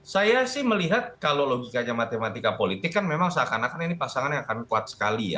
saya sih melihat kalau logikanya matematika politik kan memang seakan akan ini pasangan yang akan kuat sekali ya